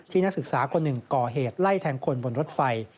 นักศึกษาคนหนึ่งก่อเหตุไล่แทงคนบนรถไฟ